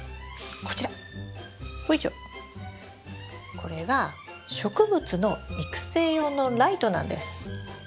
これは植物の育成用のライトなんです。